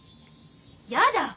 やだ！